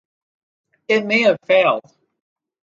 It may have failed.